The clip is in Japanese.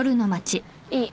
いい。